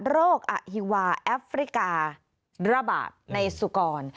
อฮิวาแอฟริการะบาดในสุกร